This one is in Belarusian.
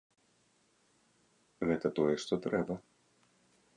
Гэта тое, што трэба.